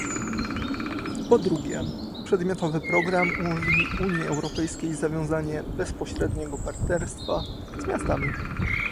Po drugie, przedmiotowy program umożliwi Unii Europejskiej zawiązanie bezpośredniego partnerstwa z miastami